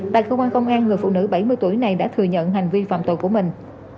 tại cơ quan công an người phụ nữ bảy mươi tuổi này đã thừa nhận hành vi phạm tội của mình